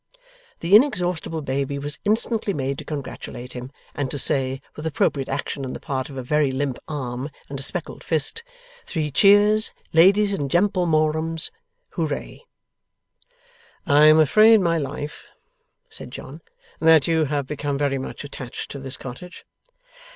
The inexhaustible baby was instantly made to congratulate him, and to say, with appropriate action on the part of a very limp arm and a speckled fist: 'Three cheers, ladies and gemplemorums. Hoo ray!' 'I am afraid, my life,' said John, 'that you have become very much attached to this cottage?